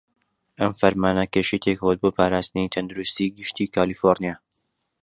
ئەم فەرمانە کێشەی تێکەوت بۆ پاراستنی تەندروستی گشتی کالیفۆڕنیا.